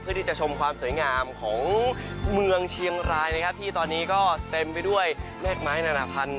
ที่จะชมความสวยงามของเมืองเชียงรายนะครับที่ตอนนี้ก็เต็มไปด้วยเลขไม้นานาพันธ